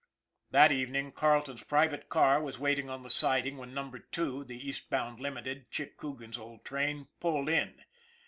That evening Carleton's private car was waiting on the siding when Number Two, the Eastbound Limited, Chick Coogan's old train, pulled in.